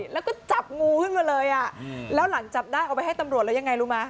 แล้วก็จับงูขึ้นมาเลยอ่ะแล้วหลังจับได้เอาไปให้ตำรวจแล้วยังไงรู้ไหม